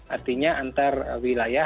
artinya antar wilayah